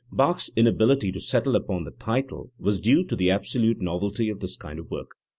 Bach's inability to settle upon the title was due to the absolute novelty of this kind of work.